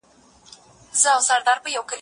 په سورة القصص کي د هامان او قارون قصه سته.